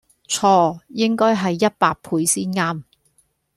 錯應該係一百倍先岩